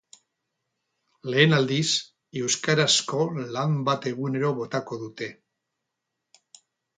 Lehen aldiz, euskarazko lan bat egunero botako dute.